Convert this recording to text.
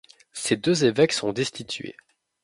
Ses deux évêques sont destitués.